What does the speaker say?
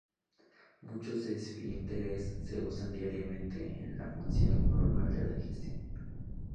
Muchos esfínteres se usan diariamente en la función normal de la digestión.